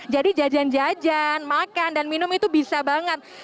jadi jajan jajan makan dan minum itu bisa banget